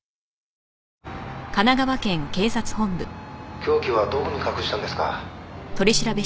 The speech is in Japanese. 「凶器はどこに隠したんですか？」